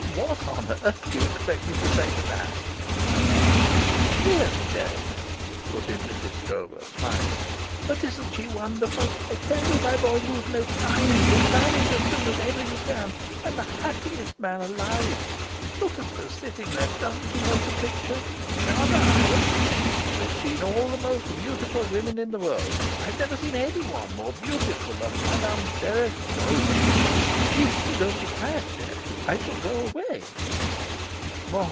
"What on earth do you expect me to say to that?" I laughed. "Really, Dirk," put in Mrs. Stroeve, smiling. "But isn't she wonderful? I tell you, my boy, lose no time; get married as soon as ever you can. I'm the happiest man alive. Look at her sitting there. Doesn't she make a picture? Chardin, eh? I've seen all the most beautiful women in the world; I've never seen anyone more beautiful than Madame Dirk Stroeve." "If you don't be quiet, Dirk, I shall go away."